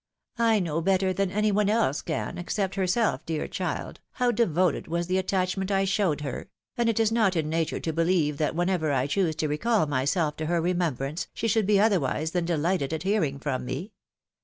I know better than any one else can, except herself, dear child ! how devoted was the attach ment I showed her — and it is not in nature to believe that whenever I choose to recall myself to her remembrance, she 22 THE WIDOW MARRIED. should be otherwise than delighted at hearing from me.